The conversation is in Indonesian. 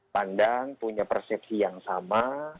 pandang punya persepsi yang sama